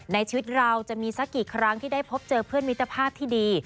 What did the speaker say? ชีวิตเราจะมีสักกี่ครั้งที่ได้พบเจอเพื่อนมิตรภาพที่ดี